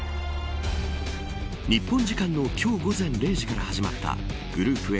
日本時間の今日午前０時から始まったグループＡ